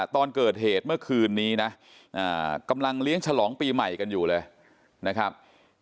ตอนเกิดเหตุเมื่อคืนนี้นะกำลังเลี้ยงฉลองปีใหม่กันอยู่เลยนะครับ